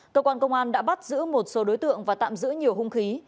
cơ quan công an đã bắt giữ một số đối tượng và tạm giữ nhiều hung khí